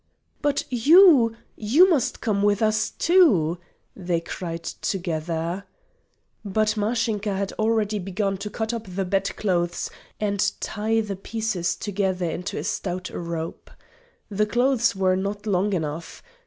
"But you you must come with us too," they cried together. But Mashinka had already begun to cut up the bed clothes and tie the pieces together into a stout rope. The clothes were not long enough.